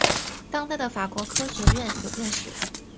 当代的法国科学院有院士。